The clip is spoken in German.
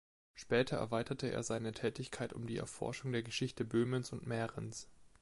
Später erweiterte er seine Tätigkeit um die Erforschung der Geschichte Böhmens und Mährens.